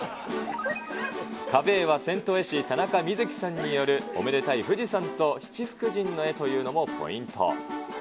壁絵は銭湯絵師、田中みずきさんによるおめでたい富士山と七福神の絵というのもポイント。